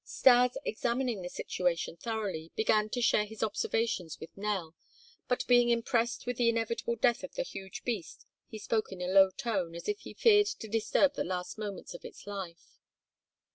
Stas, examining the situation thoroughly, began to share his observations with Nell, but being impressed with the inevitable death of the huge beast he spoke in a low tone as if he feared to disturb the last moments of its life.